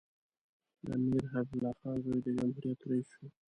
د امیر حبیب الله خان زوی د جمهوریت رییس شي.